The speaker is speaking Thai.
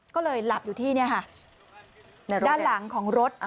ก็เลยหลับอยู่ที่ด้านหลังของรถ